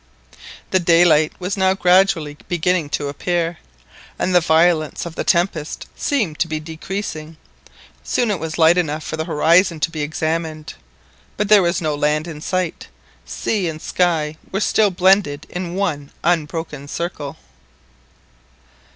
The daylight was now gradually beginning to appear, and the violence of the tempest seemed to be decreasing. Soon it was light enough for the horizon to be examined. But there was no land in sight, sea and sky were still blended in one unbroken circle.